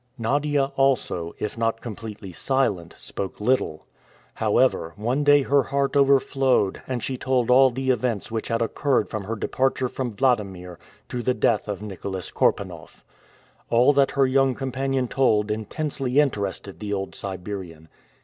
Nadia also, if not completely silent, spoke little. However, one day her heart overflowed, and she told all the events which had occurred from her departure from Wladimir to the death of Nicholas Korpanoff. All that her young companion told intensely interested the old Siberian.